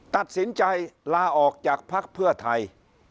ตัดสินใจลาออกจากภักดิ์เพื่อไทย